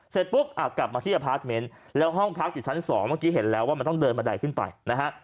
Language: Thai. เสร็จปุ๊บอ่ะกลับมาที่อพาร์ทเมนต์แล้วห้องพักอยู่ชั้นสองเมื่อกี้เห็นแล้วว่ามันต้องเดินบันไดขึ้นไปนะฮะ